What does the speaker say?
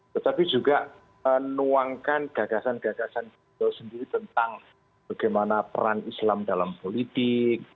tetapi juga menuangkan gagasan gagasan sendiri tentang bagaimana peran islam dalam politik